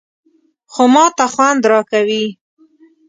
_خو ماته خوند راکوي.